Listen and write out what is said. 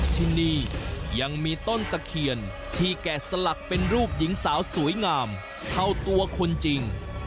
ที่นี่ยังมีต้นตะเคียนที่แก่สลักเป็นรูปหญิงสาวสวยงามเท่าตัวคนจริง